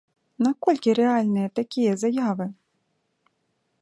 Наколькі рэальныя такія заявы?